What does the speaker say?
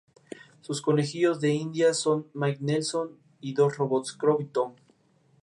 Sus conejillos de indias son Mike Nelson y dos robots, Crow y Tom.